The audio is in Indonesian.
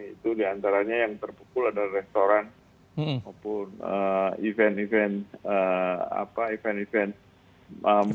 itu diantaranya yang terpukul adalah restoran maupun event event live gitu ya pak